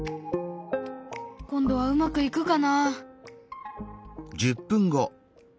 今度はうまくいくかな？